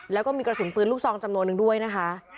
แล้วก็มีกระสุนปืนลูกซองจำนวนนึงด้วยนะคะ